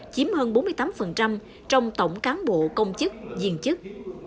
chiếm hơn bốn mươi tám trong tổng cán bộ công chức viên chức